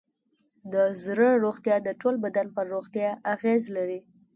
د زړه روغتیا د ټول بدن پر روغتیا اغېز لري.